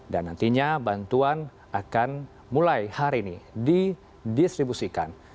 dan nantinya bantuan akan mulai hari ini didistribusikan